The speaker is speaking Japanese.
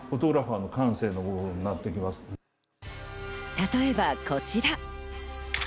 例えばこちら。